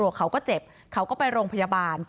แต่จากเหตุการณ์ตรงนั้น